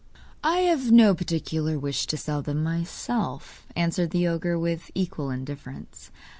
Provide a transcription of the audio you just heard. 'I have no particular wish to sell them myself,' answered the ogre, with equal indifference.